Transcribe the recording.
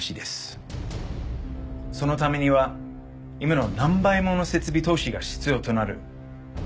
そのためには今の何倍もの設備投資が必要となる。